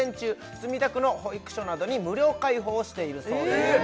墨田区の保育所などに無料開放しているそうですえ